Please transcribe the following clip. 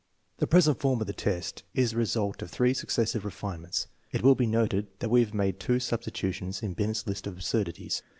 The present form of the test is the result of three suc cessive refinements. It will be noted that we have made two substitutions in Binet's list of absurdities.